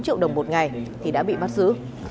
ba bốn triệu đồng một ngày thì đã bị bắt giữ